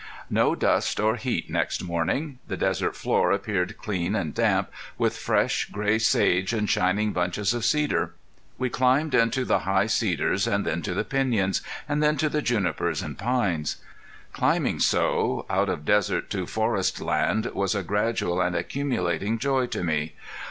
No dust or heat next morning! The desert floor appeared clean and damp, with fresh gray sage and shining bunches of cedar. We climbed into the high cedars, and then to the piñons, and then to the junipers and pines. Climbing so out of desert to forestland was a gradual and accumulating joy to me.